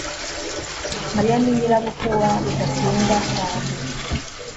mariya ni nyirabukwe wa rudasingwa cyane